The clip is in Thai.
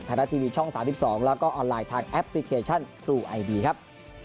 รัฐทีวีช่อง๓๒แล้วก็ออนไลน์ทางแอปพลิเคชันทรูไอดีครับ